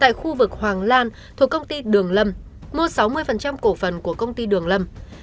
tại khu vực hoàng lan thuộc công ty đường lâm mua sáu mươi cổ phần của công ty đường lâm